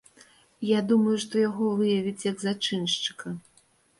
Я думаю, што яго выявяць, як зачыншчыка.